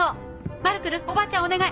マルクルおばあちゃんお願い！